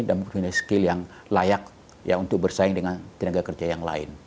dan mempunyai skill yang layak untuk bersaing dengan tenaga kerja yang lain